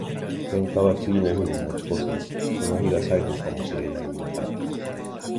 喧嘩は次の日に持ち越すな。その日が最後かも知れないんだから。